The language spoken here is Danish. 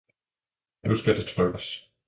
nu skal det trykkes!